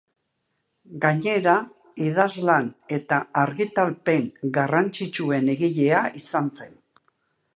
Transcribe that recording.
Gainera, idazlan eta argitalpen garrantzitsuen egilea izan zen.